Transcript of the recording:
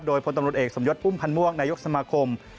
โดยพลตำรวจเอกสมยศพุ่มพันธ์ม่วงนายกสมาคม